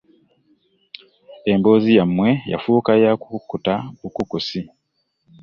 Emboozi yamwe yafuuka yakukuta bukukusi.